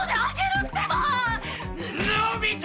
のび太！